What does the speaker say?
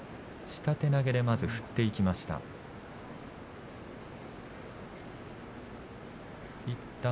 下手投げで振っていきました。